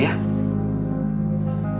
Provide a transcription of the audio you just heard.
bapak sudah sadar